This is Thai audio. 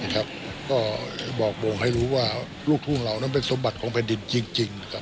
ก็บอกบ่งให้รู้ว่าลูกทุ่งเรานั้นเป็นสมบัติของแผ่นดินจริง